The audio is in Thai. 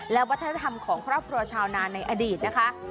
และวัฒนธรรมของครอบครัวชาวนาในอดีตนะคะ